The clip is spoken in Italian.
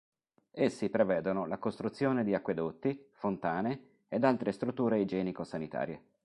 Essi prevedono la costruzione di acquedotti, fontane ed altre strutture igienico-sanitarie.